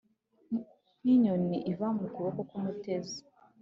nk’inyoni iva mu kuboko k’umutezi